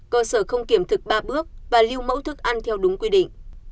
cơ sở không kiểm thực ba bước và lưu mẫu thức ăn theo đúng quy định